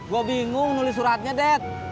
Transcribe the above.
gue bingung nulis suratnya ded